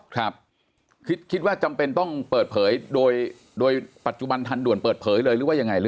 ครับคิดคิดว่าจำเป็นต้องเปิดเผยโดยปัจจุบันทันด่วนเปิดเผยเลยหรือว่ายังไงหรือ